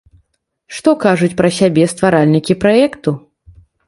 Што кажуць пра сябе стваральнікі праекту?